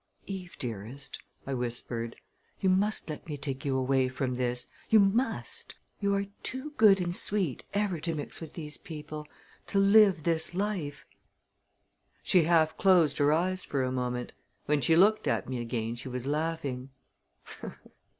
"Eve, dearest," I whispered, "you must let me take you away from this. You must! You are too good and sweet ever to mix with these people to live this life." She half closed her eyes for a moment. When she looked at me again she was laughing.